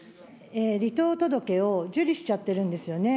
離党届を受理しちゃってるんですよね。